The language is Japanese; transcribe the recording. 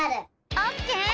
オッケー！